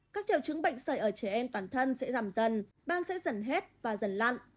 các triệu chứng bệnh sởi ở trẻ em toàn thân sẽ giảm dần ban sẽ dần hết và dần lặn